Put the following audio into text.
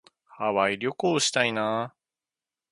ハワイ旅行したいな。